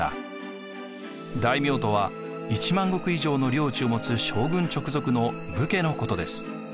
大名とは１万石以上の領知を持つ将軍直属の武家のことです。